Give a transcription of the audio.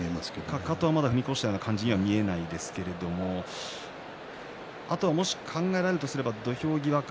かかとはまだ踏み越しているようには見えないですけれどもし考えられるとすれば土俵際か。